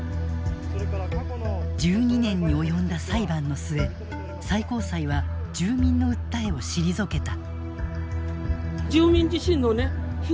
１２年に及んだ裁判の末最高裁は住民の訴えを退けた。